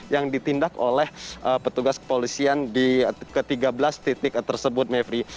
yang ditindak oleh petugas kepolisian di ke tiga belas titik tersebut mevri